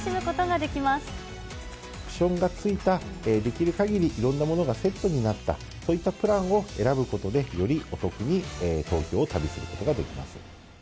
オプションが付いた、できるかぎりいろんなものがセットになった、そういったプランを選ぶことで、よりお得に東京を旅することができます。